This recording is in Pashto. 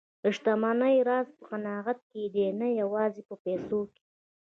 د شتمنۍ راز په قناعت کې دی، نه یوازې په پیسو کې.